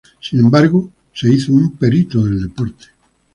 Sin embargo, se hizo un perito del deporte.